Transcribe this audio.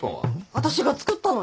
私が作ったのに。